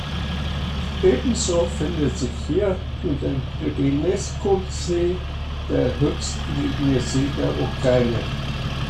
Ebenso findet sich hier mit dem Brebeneskul-See der höchstgelegene See der Ukraine.